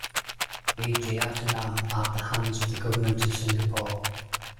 B. Jeyaretnam at the hands of the Government of Singapore.